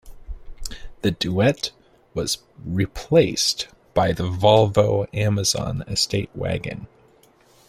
The Duett was replaced by the Volvo Amazon estate wagon.